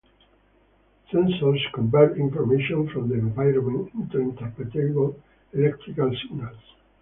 Sensors convert information from the environment into interpretable electrical signals.